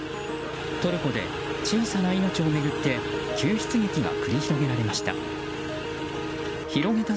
トルコで小さな命を巡って救出劇が繰り広げられました。